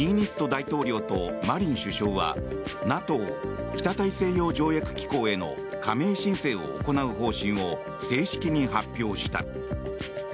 大統領とマリン首相はＮＡＴＯ・北大西洋条約機構への加盟申請を行う方針を正式に発表した。